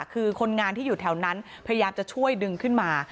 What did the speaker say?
คือคนงานที่อยู่แถวนั้นพยายามจะช่วยดึงขึ้นมา